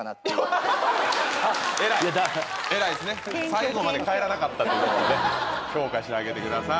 最後まで帰らなかったって事で評価してあげてください。